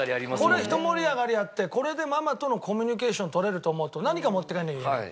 これひと盛り上がりあってこれでママとのコミュニケーション取れると思うと何か持って帰らなきゃいけない。